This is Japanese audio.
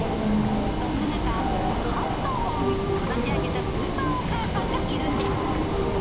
そんな中、８頭も産み育て上げたスーパーお母さんがいるんです。